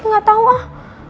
gak tau ah